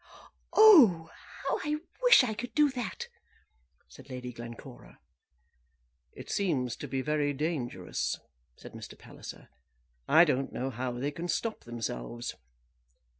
"Oh, how I wish I could do that!" said Lady Glencora. "It seems to be very dangerous," said Mr. Palliser. "I don't know how they can stop themselves."